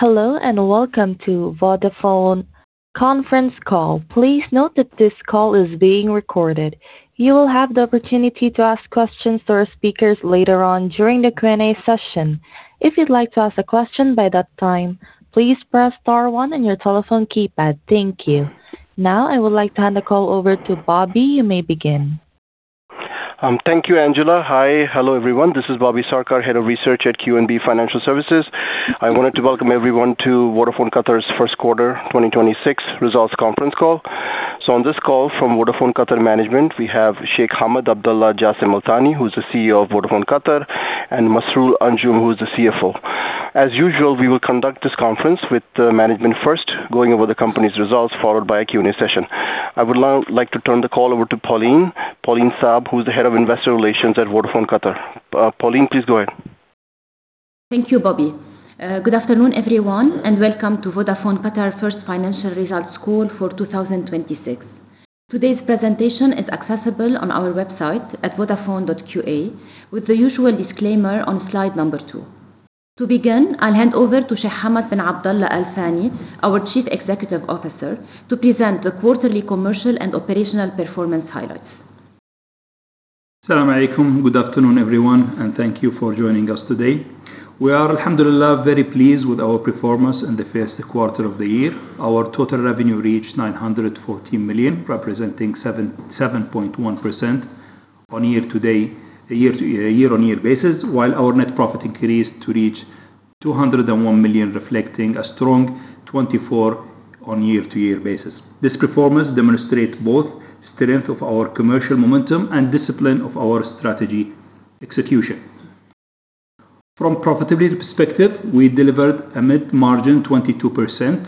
Hello, and welcome to Vodafone conference call. Please note that this call is being recorded. You will have the opportunity to ask questions to our speakers later on during the Q&A session. If you'd like to ask a question by that time, please press star one on your telephone keypad. Thank you. Now, I would like to hand the call over to Bobby. You may begin. Thank you, Angela. Hi. Hello, everyone. This is Bobby Sarkar, Head of Research at QNB Financial Services. I wanted to welcome everyone to Vodafone Qatar's first quarter 2026 results conference call. On this call from Vodafone Qatar management, we have Sheikh Hamad Abdulla Jassim Al-Thani, who's the CEO of Vodafone Qatar, and Masroor Anjum, who is the CFO. As usual, we will conduct this conference with the management first, going over the company's results, followed by a Q&A session. I would now like to turn the call over to Pauline. Pauline Saab, who's the Head of Investor Relations at Vodafone Qatar. Pauline, please go ahead. Thank you, Bobby. Good afternoon, everyone, and welcome to Vodafone Qatar first financial results call for 2026. Today's presentation is accessible on our website at vodafone.qa with the usual disclaimer on slide number two. To begin, I'll hand over to Sheikh Hamad Abdulla Jassim Al-Thani, our Chief Executive Officer, to present the quarterly commercial and operational performance highlights. Salam alaikum. Good afternoon, everyone, and thank you for joining us today. We are, Alhamdulillah, very pleased with our performance in the first quarter of the year. Our total revenue reached 914 million, representing 7.1% year-on-year basis, while our net profit increased to reach 201 million, reflecting a strong 24% year-on-year basis. This performance demonstrates both strength of our commercial momentum and discipline of our strategy execution. From a profitability perspective, we delivered a net margin 22%,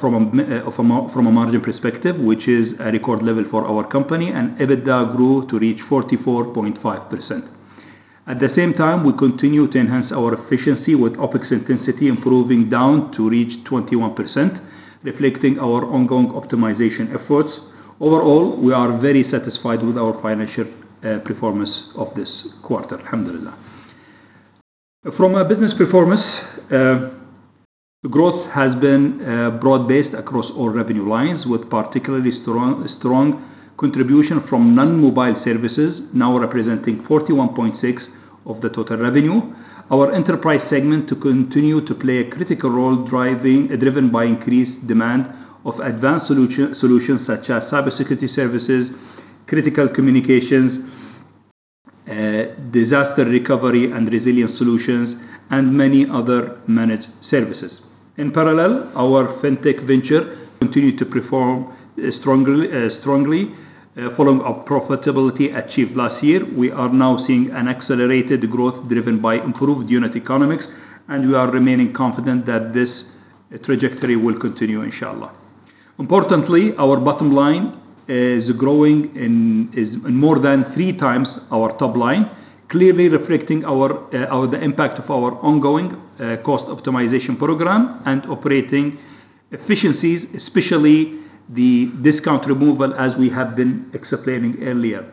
from a margin perspective, which is a record level for our company, and EBITDA margin grew to reach 44.5%. At the same time, we continue to enhance our efficiency with OpEx intensity improving down to reach 21%, reflecting our ongoing optimization efforts. Overall, we are very satisfied with our financial performance of this quarter, Alhamdulillah. From a business performance, growth has been broad-based across all revenue lines, with particularly strong contribution from non-mobile services, now representing 41.6% of the total revenue. Our enterprise segment continues to play a critical role driven by increased demand for advanced solutions such as cybersecurity services, critical communications, disaster recovery and resilience solutions, and many other managed services. In parallel, our fintech venture continued to perform strongly, following the profitability achieved last year. We are now seeing an accelerated growth driven by improved unit economics, and we are remaining confident that this trajectory will continue, Inshallah. Importantly, our bottom line is growing in more than 3x our top line, clearly reflecting the impact of our ongoing cost optimization program and operating efficiencies, especially the discount removal as we have been explaining earlier.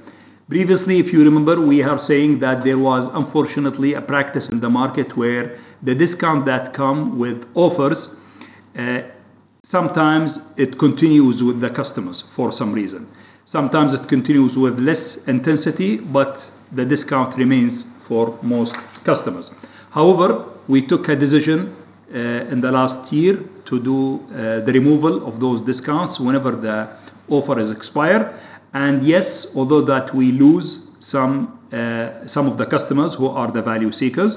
Previously, if you remember, we are saying that there was unfortunately a practice in the market where the discount that come with offers, sometimes it continues with the customers for some reason. Sometimes it continues with less intensity, but the discount remains for most customers. However, we took a decision in the last year to do the removal of those discounts whenever the offer is expired. Yes, although that we lose some of the customers who are the value seekers,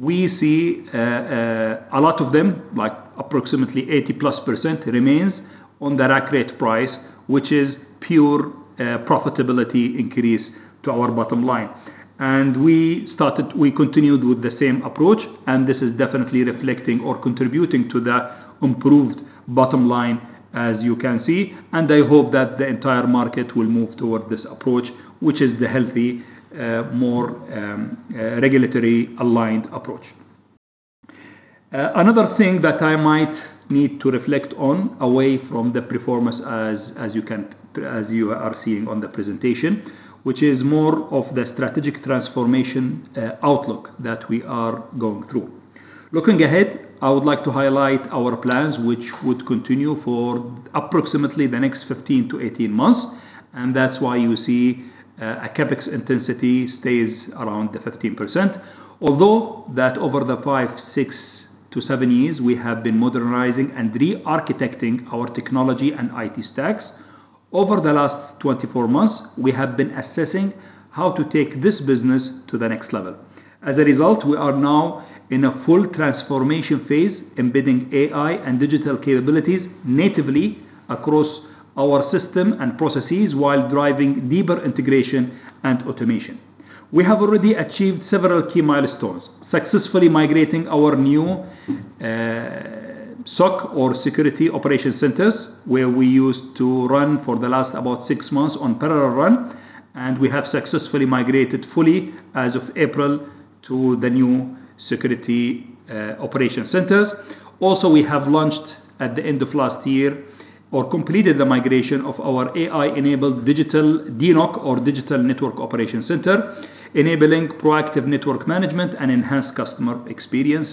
we see a lot of them, approximately 80%+, remains on the rack rate price, which is pure profitability increase to our bottom line. We continued with the same approach, and this is definitely reflecting or contributing to the improved bottom line as you can see. I hope that the entire market will move toward this approach, which is the healthy, more regulatory aligned approach. Another thing that I might need to reflect on away from the performance as you are seeing on the presentation, which is more of the strategic transformation outlook that we are going through. Looking ahead, I would like to highlight our plans, which would continue for approximately the next 15months-18 months, and that's why you see a CapEx intensity stays around the 15%. Although that over the five, six to seven years, we have been modernizing and re-architecting our technology and IT stacks. Over the last 24 months, we have been assessing how to take this business to the next level. As a result, we are now in a full transformation phase, embedding AI and digital capabilities natively across our system and processes while driving deeper integration and automation. We have already achieved several key milestones, successfully migrating our new SOC or Security Operation Centers, where we used to run for the last about six months on parallel run, and we have successfully migrated fully as of April to the new Security Operation Centers. Also, we have completed the migration of our AI-enabled digital DNOC or Digital Network Operation Center, enabling proactive network management and enhanced customer experience.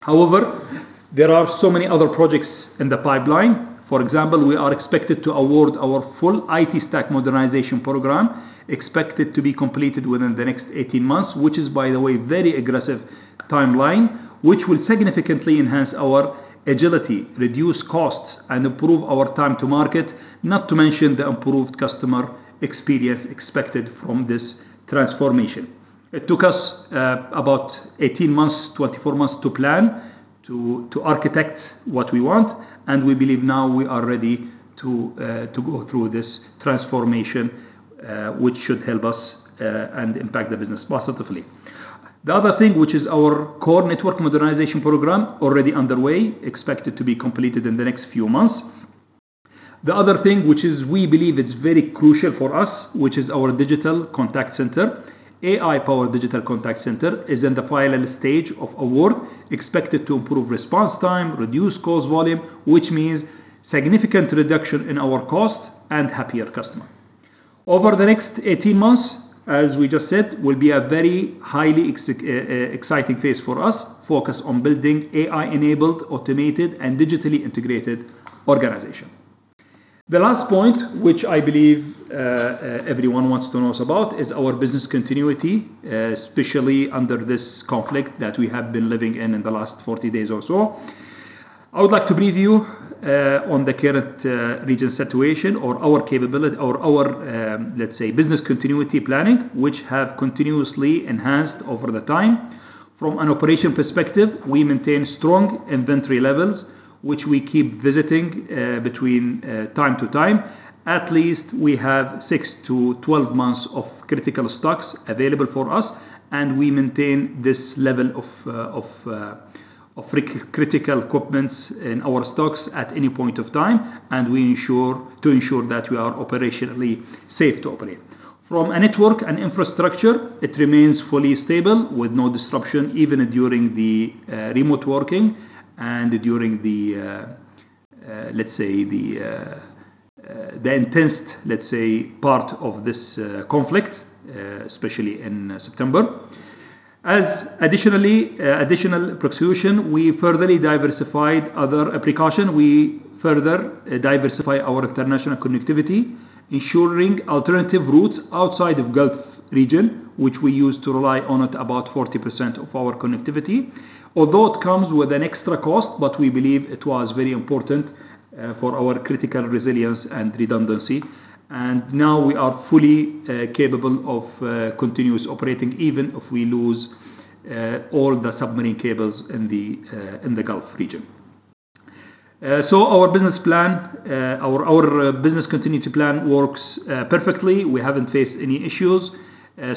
However, there are so many other projects in the pipeline. For example, we are expected to award our full IT stack modernization program, expected to be completed within the next 18 months, which is by the way, very aggressive timeline, which will significantly enhance our agility, reduce costs, and improve our time to market, not to mention the improved customer experience expected from this transformation. It took us about 18 months, 24 months to plan, to architect what we want, and we believe now we are ready to go through this transformation, which should help us and impact the business positively. The other thing, which is our core network modernization program, is already underway, expected to be completed in the next few months. The other thing, which we believe is very crucial for us, is our digital contact center. AI-powered digital contact center is in the final stage of award, expected to improve response time, reduce cost volume, which means significant reduction in our cost and happier customer. Over the next 18 months, as we just said, will be a very highly exciting phase for us, focused on building AI-enabled, automated, and digitally integrated organization. The last point, which I believe everyone wants to know about, is our business continuity, especially under this conflict that we have been living in in the last 40 days or so. I would like to brief you on the current regional situation or our capability or our, let's say, business continuity planning, which have continuously enhanced over time. From an operational perspective, we maintain strong inventory levels, which we keep revisiting from time to time. At least we have six to 12 months of critical stocks available for us, and we maintain this level of critical equipment in our stocks at any point in time. We ensure that we are operationally safe to operate. From a network and infrastructure, it remains fully stable with no disruption, even during the remote working and during the, let's say, intense part of this conflict, especially in September. As additional precaution, we further diversify our international connectivity, ensuring alternative routes outside of Gulf region, which we used to rely on at about 40% of our connectivity. Although it comes with an extra cost, we believe it was very important for our critical resilience and redundancy. Now we are fully capable of continuous operating, even if we lose all the submarine cables in the Gulf region. Our business continuity plan works perfectly. We haven't faced any issues.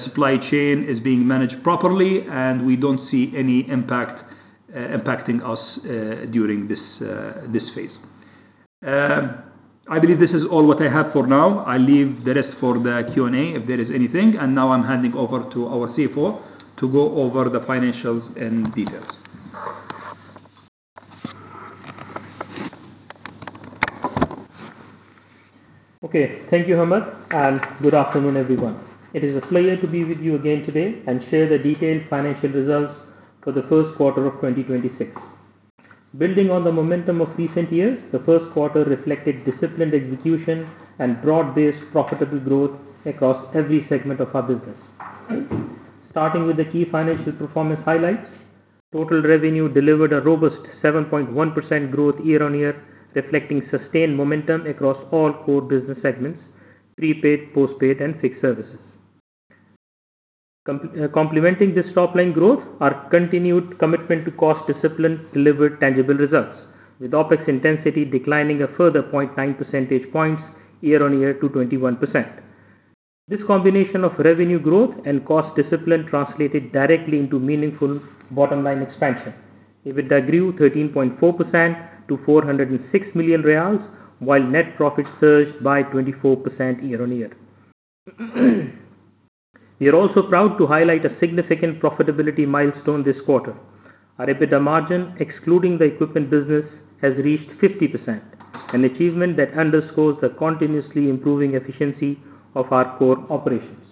Supply chain is being managed properly, and we don't see any impact us during this phase. I believe this is all that I have for now. I leave the rest for the Q&A, if there is anything. Now I'm handing over to our CFO to go over the financials and details. Okay, thank you, Hamad, and good afternoon, everyone. It is a pleasure to be with you again today and share the detailed financial results for the first quarter of 2026. Building on the momentum of recent years, the first quarter reflected disciplined execution and broad-based profitable growth across every segment of our business. Starting with the key financial performance highlights, total revenue delivered a robust 7.1% growth year-on-year, reflecting sustained momentum across all core business segments, prepaid, postpaid, and fixed services. Complementing this top line growth, our continued commitment to cost discipline delivered tangible results, with OpEx intensity declining a further 0.9 percentage points year-on-year to 21%. This combination of revenue growth and cost discipline translated directly into meaningful bottom-line expansion. EBITDA grew 13.4% to 406 million riyals, while net profit surged by 24% year-on-year. We are also proud to highlight a significant profitability milestone this quarter. Our EBITDA margin, excluding the equipment business, has reached 50%, an achievement that underscores the continuously improving efficiency of our core operations.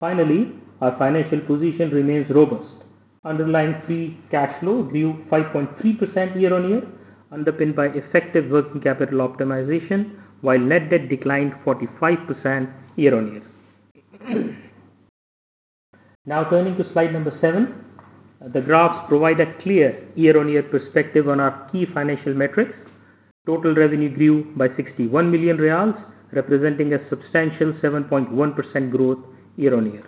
Finally, our financial position remains robust. Underlying free cash flow grew 5.3% year-on-year, underpinned by effective working capital optimization, while net debt declined 45% year-on-year. Now turning to slide number seven. The graphs provide a clear year-on-year perspective on our key financial metrics. Total revenue grew by 61 million riyals, representing a substantial 7.1% growth year-on-year.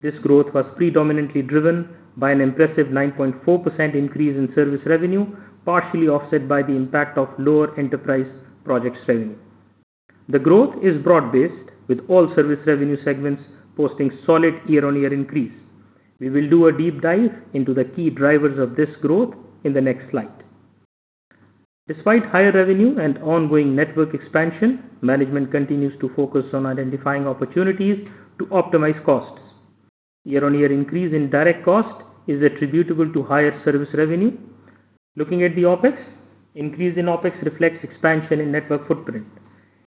This growth was predominantly driven by an impressive 9.4% increase in service revenue, partially offset by the impact of lower enterprise projects revenue. The growth is broad-based, with all service revenue segments posting solid year-on-year increase. We will do a deep dive into the key drivers of this growth in the next slide. Despite higher revenue and ongoing network expansion, management continues to focus on identifying opportunities to optimize costs. Year-on-year increase in direct cost is attributable to higher service revenue. Looking at the OpEx, increase in OpEx reflects expansion in network footprint.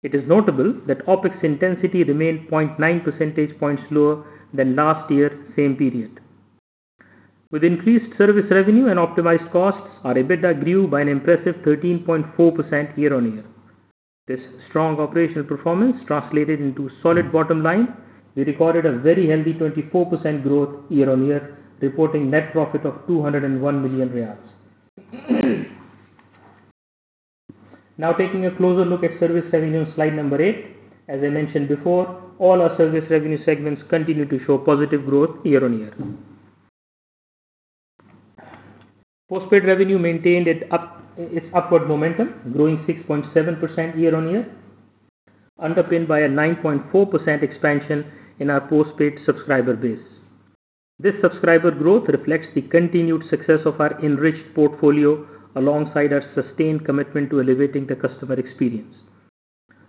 It is notable that OpEx intensity remained 0.9 percentage points lower than last year, same period. With increased service revenue and optimized costs, our EBITDA grew by an impressive 13.4% year-on-year. This strong operational performance translated into solid bottom line. We recorded a very healthy 24% growth year-on-year, reporting net profit of 201 million riyals. Now taking a closer look at service revenue, slide number eight. As I mentioned before, all our service revenue segments continue to show positive growth year-on-year. Postpaid revenue maintained its upward momentum, growing 6.7% year-on-year, underpinned by a 9.4% expansion in our postpaid subscriber base. This subscriber growth reflects the continued success of our enriched portfolio, alongside our sustained commitment to elevating the customer experience.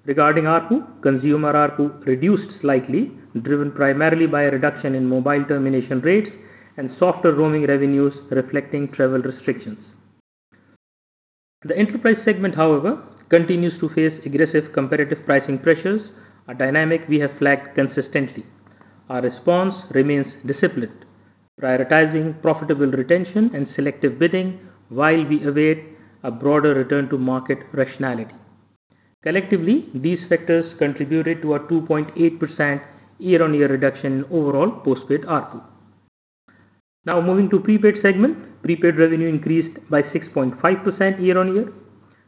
Regarding ARPU, consumer ARPU reduced slightly, driven primarily by a reduction in mobile termination rates and softer roaming revenues reflecting travel restrictions. The enterprise segment, however, continues to face aggressive competitive pricing pressures, a dynamic we have flagged consistently. Our response remains disciplined, prioritizing profitable retention and selective bidding while we await a broader return to market rationality. Collectively, these factors contributed to a 2.8% year-on-year reduction in overall postpaid ARPU. Now moving to prepaid segment. Prepaid revenue increased by 6.5% year-on-year.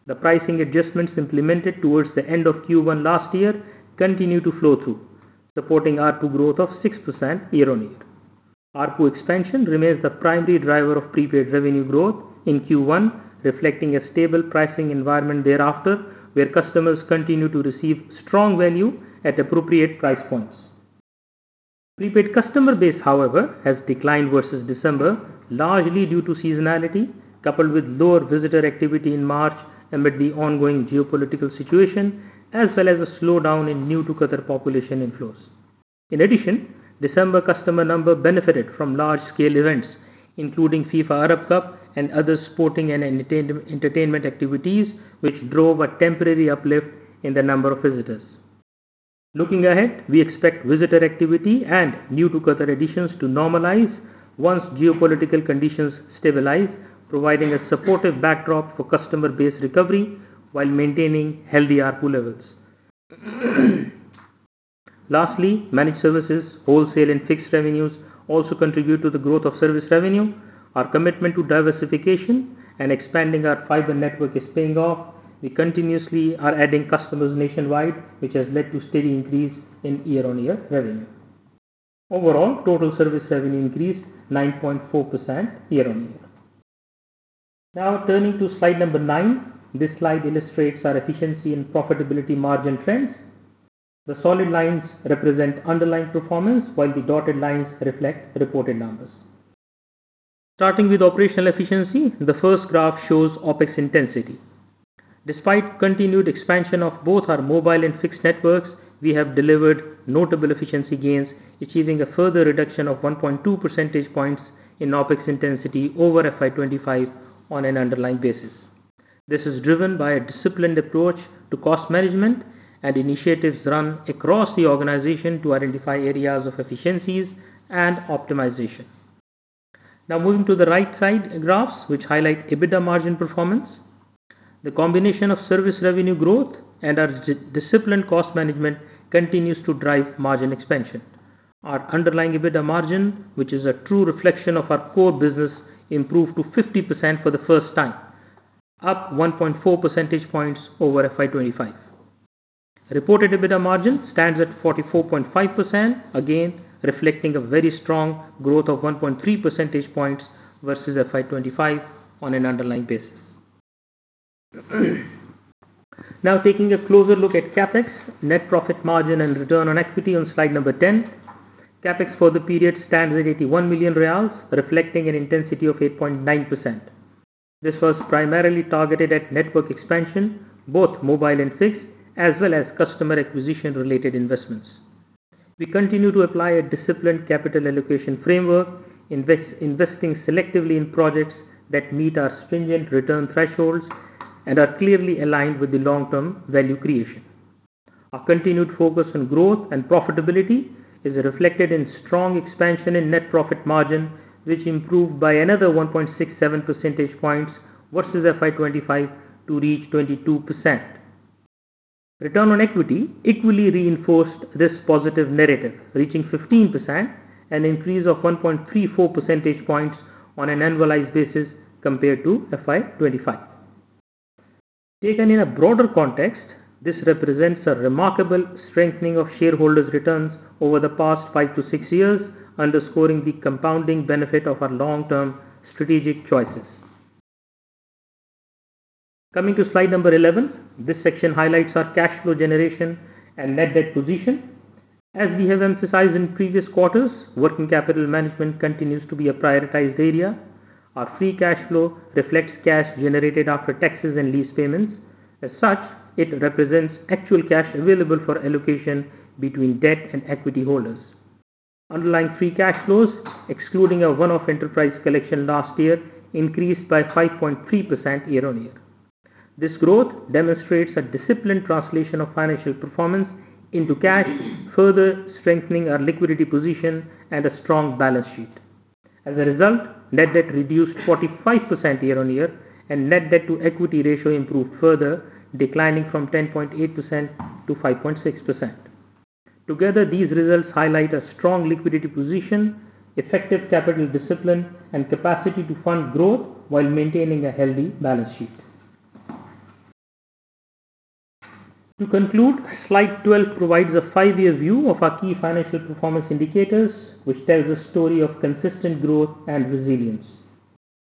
The pricing adjustments implemented towards the end of Q1 last year continue to flow through, supporting ARPU growth of 6% year-on-year. ARPU expansion remains the primary driver of prepaid revenue growth in Q1, reflecting a stable pricing environment thereafter, where customers continue to receive strong value at appropriate price points. Prepaid customer base, however, has declined versus December, largely due to seasonality, coupled with lower visitor activity in March amid the ongoing geopolitical situation, as well as a slowdown in new-to-Qatar population inflows. In addition, December customer number benefited from large-scale events, including FIFA Arab Cup and other sporting and entertainment activities, which drove a temporary uplift in the number of visitors. Looking ahead, we expect visitor activity and new-to-Qatar additions to normalize once geopolitical conditions stabilize, providing a supportive backdrop for customer base recovery while maintaining healthy ARPU levels. Lastly, managed services, wholesale, and fixed revenues also contribute to the growth of service revenue. Our commitment to diversification and expanding our fiber network is paying off. We continuously are adding customers nationwide, which has led to steady increase in year-on-year revenue. Overall, total service revenue increased 9.4% year-on-year. Now turning to slide number nine. This slide illustrates our efficiency and profitability margin trends. The solid lines represent underlying performance, while the dotted lines reflect reported numbers. Starting with operational efficiency, the first graph shows OpEx intensity. Despite continued expansion of both our mobile and fixed networks, we have delivered notable efficiency gains, achieving a further reduction of 1.2 percentage points in OpEx intensity over FY 2025 on an underlying basis. This is driven by a disciplined approach to cost management and initiatives run across the organization to identify areas of efficiencies and optimization. Now moving to the right side graphs, which highlight EBITDA margin performance. The combination of service revenue growth and our disciplined cost management continues to drive margin expansion. Our underlying EBITDA margin, which is a true reflection of our core business, improved to 50% for the first time, up 1.4 percentage points over FY 2025. Reported EBITDA margin stands at 44.5%, again, reflecting a very strong growth of 1.3 percentage points versus FY 2025 on an underlying basis. Now taking a closer look at CapEx, net profit margin, and return on equity on slide number 10. CapEx for the period stands at 81 million riyals, reflecting an intensity of 8.9%. This was primarily targeted at network expansion, both mobile and fixed, as well as customer acquisition-related investments. We continue to apply a disciplined capital allocation framework, investing selectively in projects that meet our stringent return thresholds and are clearly aligned with the long-term value creation. Our continued focus on growth and profitability is reflected in strong expansion in net profit margin, which improved by another 1.67 percentage points versus FY 2025 to reach 22%. Return on equity equally reinforced this positive narrative, reaching 15%, an increase of 1.34 percentage points on an annualized basis compared to FY 2025. Taken in a broader context, this represents a remarkable strengthening of shareholders' returns over the past five to six years, underscoring the compounding benefit of our long-term strategic choices. Coming to slide number 11. This section highlights our cash flow generation and net debt position. As we have emphasized in previous quarters, working capital management continues to be a prioritized area. Our free cash flow reflects cash generated after taxes and lease payments. As such, it represents actual cash available for allocation between debt and equity holders. Underlying free cash flows, excluding a one-off enterprise collection last year, increased by 5.3% year-on-year. This growth demonstrates a disciplined translation of financial performance into cash, further strengthening our liquidity position and a strong balance sheet. As a result, net debt reduced 45% year-on-year, and net debt to equity ratio improved further, declining from 10.8%-5.6%. Together, these results highlight a strong liquidity position, effective capital discipline, and capacity to fund growth while maintaining a healthy balance sheet. To conclude, slide 12 provides a five-year view of our key financial performance indicators, which tells a story of consistent growth and resilience.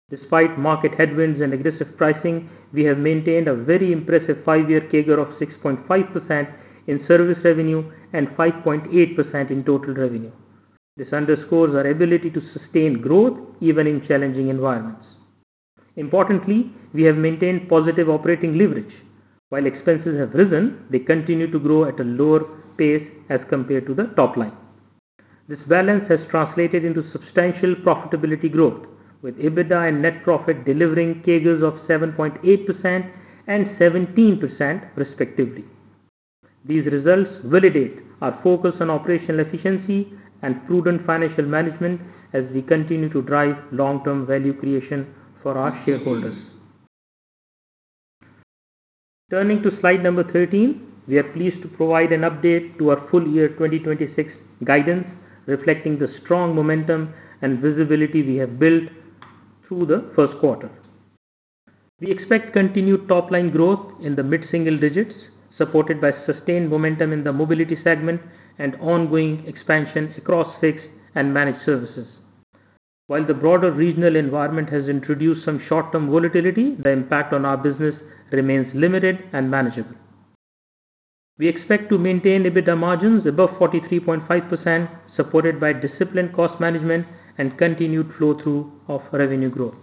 Despite market headwinds and aggressive pricing, we have maintained a very impressive five-year CAGR of 6.5% in service revenue and 5.8% in total revenue. This underscores our ability to sustain growth even in challenging environments. Importantly, we have maintained positive operating leverage. While expenses have risen, they continue to grow at a lower pace as compared to the top line. This balance has translated into substantial profitability growth, with EBITDA and net profit delivering CAGRs of 7.8% and 17%, respectively. These results validate our focus on operational efficiency and prudent financial management as we continue to drive long-term value creation for our shareholders. Turning to slide number 13, we are pleased to provide an update to our full year 2026 guidance, reflecting the strong momentum and visibility we have built through the first quarter. We expect continued top-line growth in the mid-single digits, supported by sustained momentum in the mobility segment and ongoing expansion across fixed and managed services. While the broader regional environment has introduced some short-term volatility, the impact on our business remains limited and manageable. We expect to maintain EBITDA margins above 43.5%, supported by disciplined cost management and continued flow-through of revenue growth.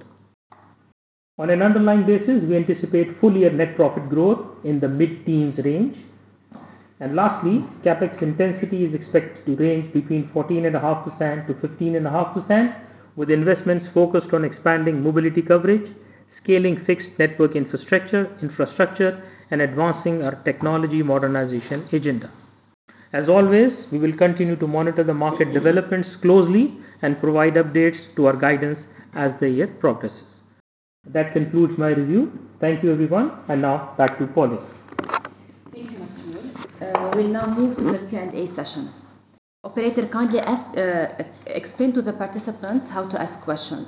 On an underlying basis, we anticipate full-year net profit growth in the mid-teens range. Lastly, CapEx intensity is expected to range between 14.5%-15.5%, with investments focused on expanding mobility coverage, scaling fixed network infrastructure, and advancing our technology modernization agenda. As always, we will continue to monitor the market developments closely and provide updates to our guidance as the year progresses. That concludes my review. Thank you, everyone. Now back to Pauline. Thank you, Masroor. We'll now move to the Q&A session. Operator, kindly explain to the participants how to ask questions.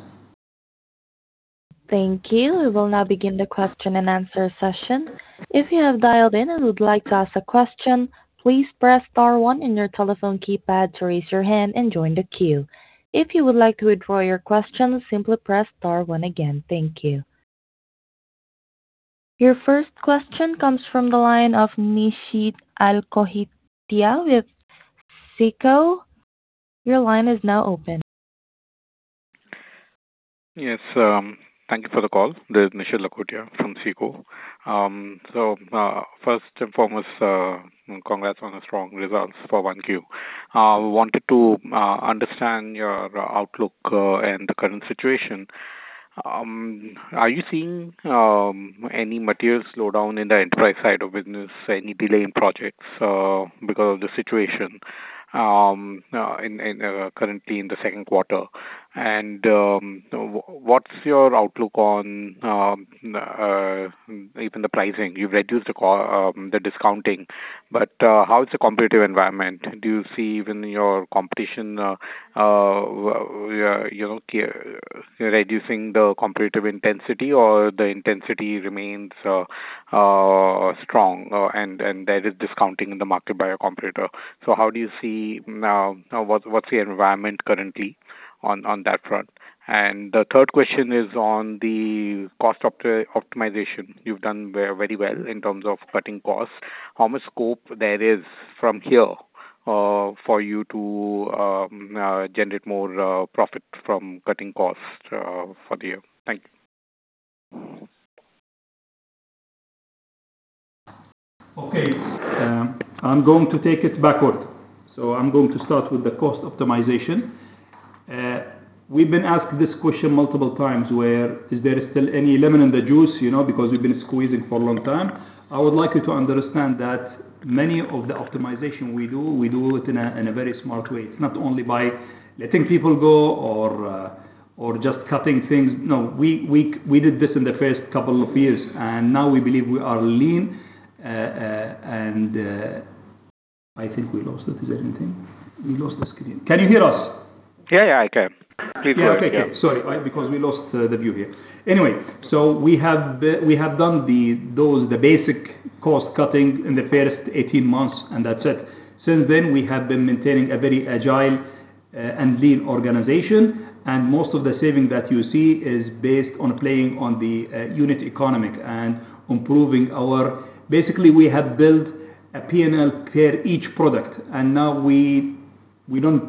Thank you. We will now begin the question and answer session. If you have dialed in and would like to ask a question, please press star one in your telephone keypad to raise your hand and join the queue. If you would like to withdraw your question, simply press star one again. Thank you. Your first question comes from the line of Nishit Lakhotia with SICO. Your line is now open. Yes. Thank you for the call. This is Nishit Lakhotia from SICO. First and foremost, congrats on the strong results for Q1. We wanted to understand your outlook and the current situation. Are you seeing any material slowdown in the enterprise side of business, any delay in projects because of the situation currently in the second quarter? What's your outlook on even the pricing? You've reduced the discounting, but how's the competitive environment? Do you see even your competition reducing the competitive intensity or the intensity remains strong and there is discounting in the market by your competitor? What's the environment currently on that front? The third question is on the cost optimization. You've done very well in terms of cutting costs. How much scope there is from here for you to generate more profit from cutting costs for the year? Thank you. Okay. I'm going to take it backward. I'm going to start with the cost optimization. We've been asked this question multiple times, where is there still any lemon in the juice, because we've been squeezing for a long time. I would like you to understand that many of the optimization we do, we do it in a very smart way. It's not only by letting people go or just cutting things. No, we did this in the first couple of years, and now we believe we are lean. I think we lost it. Is that anything? We lost the screen. Can you hear us? Yeah, I can. Okay. Sorry, because we lost the view here. Anyway, we have done the basic cost cutting in the first 18 months and that's it. Since then, we have been maintaining a very agile and lean organization, and most of the savings that you see is based on playing on the unit economics and improving our. Basically, we have built a P&L per each product, and now we don't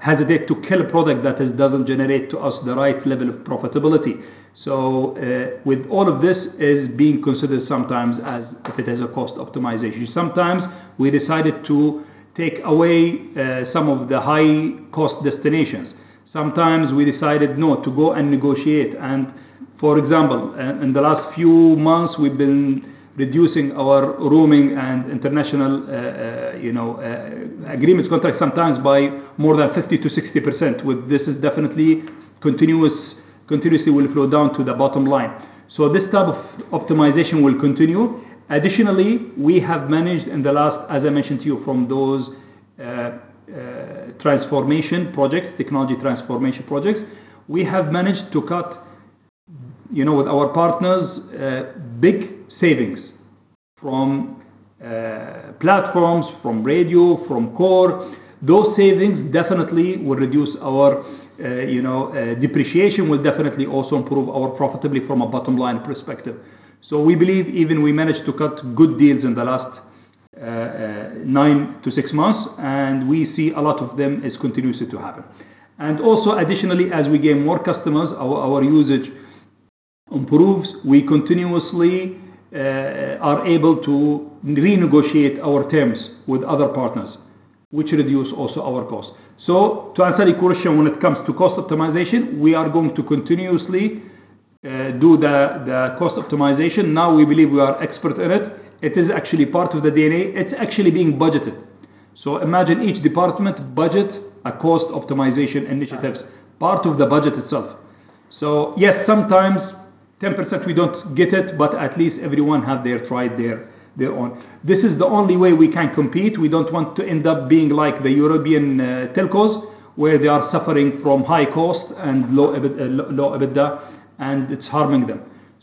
hesitate to kill a product that doesn't generate to us the right level of profitability. With all of this is being considered sometimes as if it is a cost optimization. Sometimes we decided to take away some of the high-cost destinations. Sometimes we decided not to go and negotiate and for example, in the last few months, we've been reducing our roaming and international agreements contract sometimes by more than 50%-60%. This is definitely continuously will flow down to the bottom line. This type of optimization will continue. Additionally, we have managed to cut, with our partners, big savings from platforms, from radio, from core. Those savings definitely will reduce our depreciation, will definitely also improve our profitability from a bottom-line perspective. We believe even we managed to cut good deals in the last nine to six months, and we see a lot of them is continuously to happen. Also additionally, as we gain more customers, our usage improves. We continuously are able to renegotiate our terms with other partners, which reduce also our cost. To answer your question when it comes to cost optimization, we are going to continuously do the cost optimization. Now we believe we are expert in it. It is actually part of the DNA. It's actually being budgeted. Imagine each department budget, a cost optimization initiatives, part of the budget itself. Yes, sometimes 10% we don't get it, but at least everyone have their try their own. This is the only way we can compete. We don't want to end up being like the European telcos, where they are suffering from high cost and low EBITDA, and it's harming them.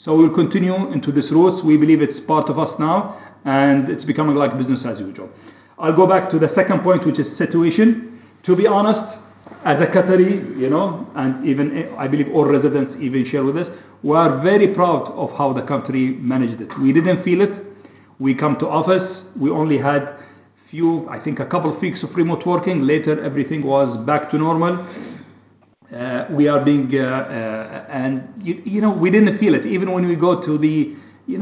We'll continue into this route. We believe it's part of us now, and it's becoming like business as usual. I'll go back to the second point, which is situation. To be honest, as a Qatari, and even I believe all residents even share with us, we are very proud of how the country managed it. We didn't feel it. We come to office. We only had few, I think a couple of weeks of remote working. Later, everything was back to normal. We didn't feel it. Even when we go to the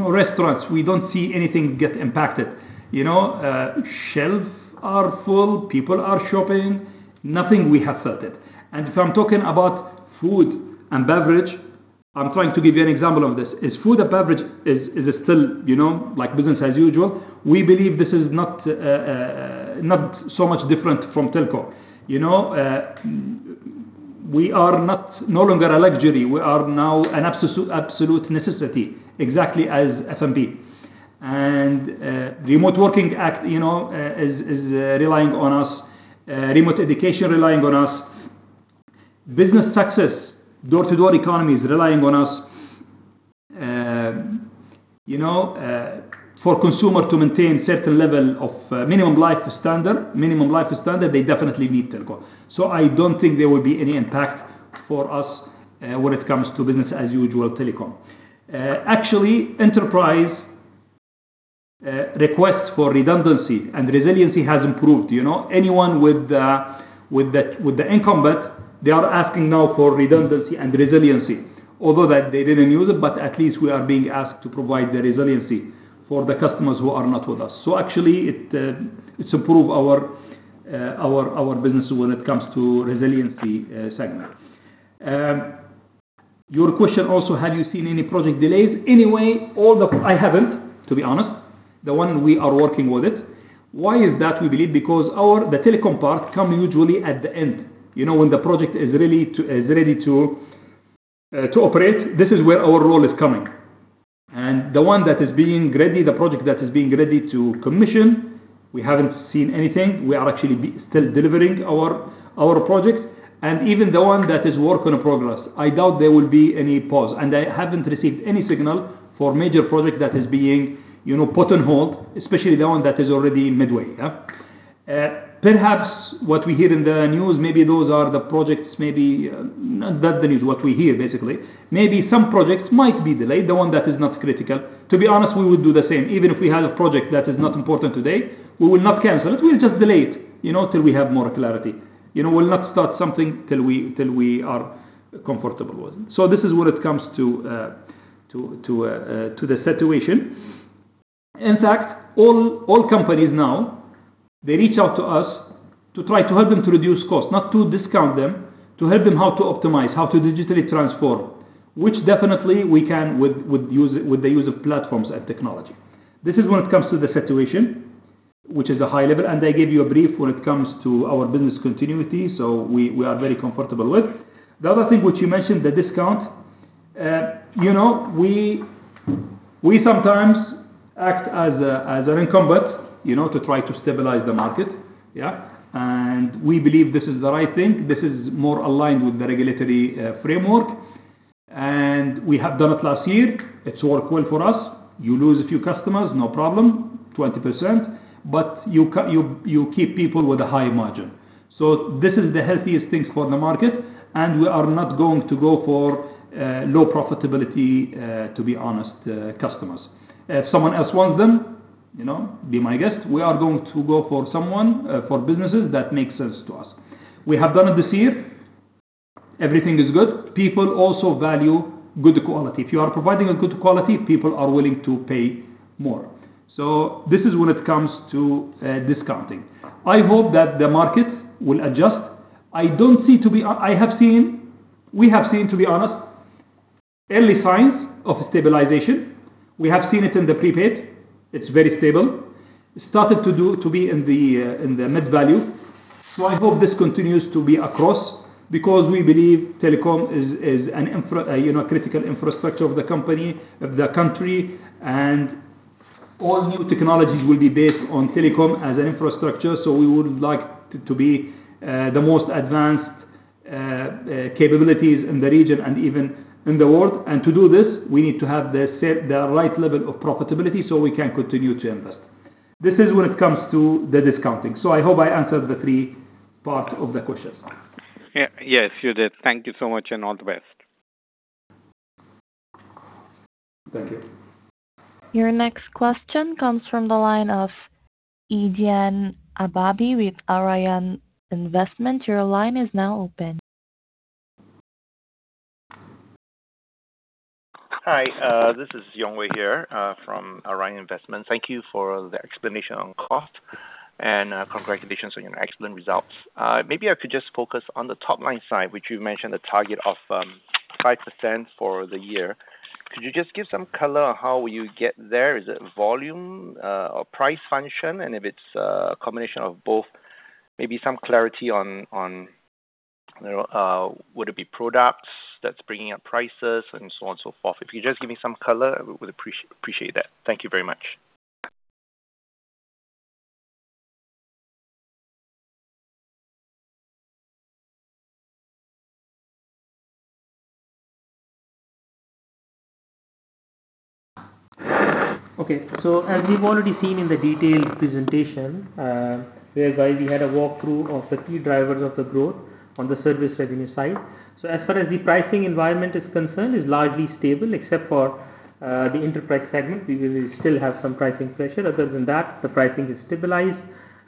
restaurants, we don't see anything get impacted. Shelves are full, people are shopping. Nothing we have felt it. If I'm talking about food and beverage, I'm trying to give you an example of this. Is food and beverage still business as usual? We believe this is not so much different from telco. We are no longer a luxury. We are now an absolute necessity, exactly as F&B. Remote working etc. is relying on us, remote education relying on us, business success, door-to-door economies relying on us, for consumer to maintain certain level of minimum life standard, they definitely need telco. I don't think there will be any impact for us when it comes to business as usual telecom. Actually, enterprise requests for redundancy and resiliency has improved. Anyone with the incumbent, they are asking now for redundancy and resiliency, although that they didn't use it, but at least we are being asked to provide the resiliency for the customers who are not with us. Actually, it improve our business when it comes to resiliency segment. Your question also, have you seen any project delays? Anyway, I haven't, to be honest, the one we are working with it. Why is that? We believe because the telecom part come usually at the end, when the project is ready to operate, this is where our role is coming. The one that is being ready, the project that is being ready to commission, we haven't seen anything. We are actually still delivering our projects. Even the one that is work in progress, I doubt there will be any pause. I haven't received any signal for major project that is being put on hold, especially the one that is already midway. Perhaps what we hear in the news, maybe those are the projects, maybe not that the news, what we hear, basically. Maybe some projects might be delayed, the one that is not critical. To be honest, we would do the same. Even if we had a project that is not important today, we will not cancel it. We'll just delay it, till we have more clarity. We'll not start something till we are comfortable with it. This is when it comes to the situation. In fact, all companies now, they reach out to us to try to help them to reduce costs, not to disrupt them, to help them how to optimize, how to digitally transform, which definitely we can with the use of platforms and technology. This is when it comes to the situation, which is a high level, and I gave you a brief when it comes to our business continuity. We are very comfortable with. The other thing which you mentioned, the discount. We sometimes act as an incumbent to try to stabilize the market. Yeah. We believe this is the right thing. This is more aligned with the regulatory framework. We have done it last year. It's worked well for us. You lose a few customers, no problem, 20%, but you keep people with a high margin. This is the healthiest thing for the market, and we are not going to go for low profitability, to be honest, customers. If someone else wants them, be my guest. We are going to go for some businesses that make sense to us. We have done it this year. Everything is good. People also value good quality. If you are providing a good quality, people are willing to pay more. This is when it comes to discounting. I hope that the markets will adjust. We have seen, to be honest, early signs of stabilization. We have seen it in the prepaid. It's very stable. It started to be in the mid value. I hope this continues to be across, because we believe telecom is a critical infrastructure of the country and all new technologies will be based on telecom as an infrastructure, so we would like to be the most advanced capabilities in the region and even in the world. To do this, we need to have the right level of profitability so we can continue to invest. This is when it comes to the discounting. I hope I answered the three parts of the questions. Yes, you did. Thank you so much and all the best. Thank you. Your next question comes from the line of Yong Wei with Alrayan Investment. Your line is now open. Hi. This is Yong Wei here from Alrayan Investment. Thank you for the explanation on cost and congratulations on your excellent results. Maybe I could just focus on the top-line side, which you mentioned a target of 5% for the year. Could you just give some color on how you get there? Is it volume or price function? If it's a combination of both, maybe some clarity on would it be products that's bringing up prices and so on and so forth. If you could just give me some color, I would appreciate that. Thank you very much. As we've already seen in the detailed presentation, whereby we had a walkthrough of the key drivers of the growth on the service revenue side. As far as the pricing environment is concerned, it's largely stable except for the enterprise segment. We will still have some pricing pressure. Other than that, the pricing is stabilized.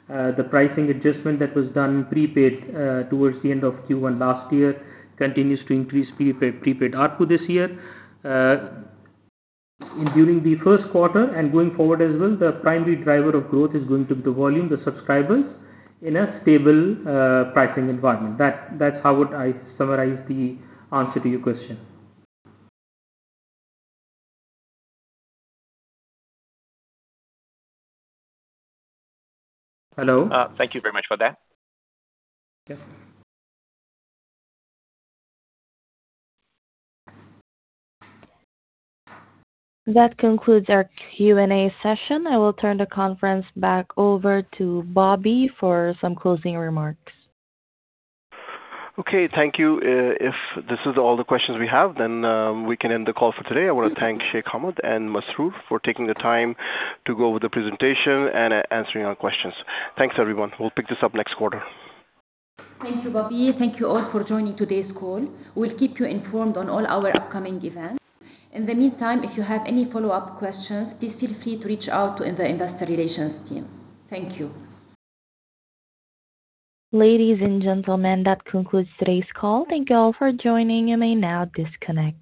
The pricing adjustment that was done prepaid towards the end of Q1 last year continues to increase prepaid ARPU this year. During the first quarter and going forward as well, the primary driver of growth is going to be the volume, the subscribers in a stable pricing environment. That's how I would summarize the answer to your question. Hello? Thank you very much for that. Yes. That concludes our Q&A session. I will turn the conference back over to Bobby for some closing remarks. Okay. Thank you. If this is all the questions we have, then we can end the call for today. I want to thank Sheikh Hamad and Masroor for taking the time to go over the presentation and answering our questions. Thanks, everyone. We'll pick this up next quarter. Thank you, Bobby. Thank you all for joining today's call. We'll keep you informed on all our upcoming events. In the meantime, if you have any follow-up questions, please feel free to reach out to the Investor Relations team. Thank you. Ladies and gentlemen, that concludes today's call. Thank you all for joining. You may now disconnect.